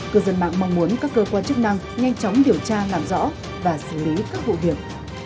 cơ dân mạng mong muốn các cơ quan chức năng nhanh chóng điều tra làm rõ và xử lý các vụ việc